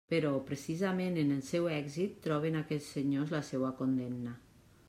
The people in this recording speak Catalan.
Però precisament en el seu èxit troben aquests senyors la seua condemna.